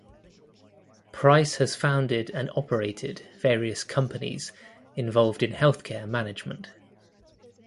Price has founded and operated various companies involved in health care management.